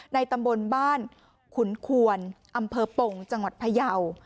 ตำบลบ้านขุนควนอำเภอปงจังหวัดพยาว